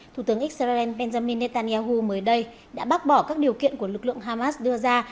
thủ tướng israel benjamin netanyahu mới đây đã bác bỏ các điều kiện của lực lượng hamas đưa ra